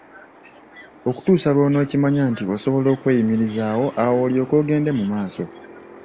Okutuusa lw'onookimanya nti osobola okweyimirizaawo, awo olyoke ogende mu maaso.